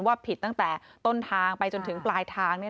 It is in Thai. ผิดตั้งแต่ต้นทางไปจนถึงปลายทาง